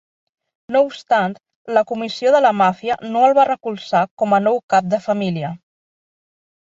No obstant, la Comissió de la Màfia no el va recolzar com a nou cap de família.